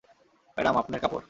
Madam, আপনের কাপড়।